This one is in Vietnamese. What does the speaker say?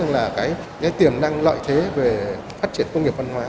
là cái tiềm năng lợi thế về phát triển công nghiệp văn hóa